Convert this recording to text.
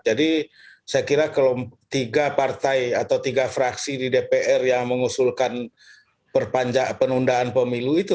jadi saya kira tiga partai atau tiga fraksi di dpr yang mengusulkan perpanjak penundaan pemilu itu